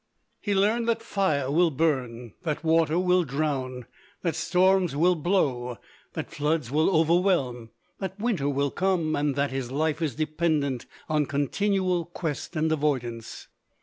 He learned that fire will burn, that water will drown, that storms will blow, that floods will overwhelm, that winter will come, and that his life is dependent on continual quest and avoidance.